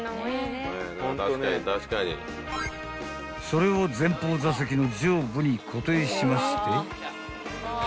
［それを前方座席の上部に固定しまして］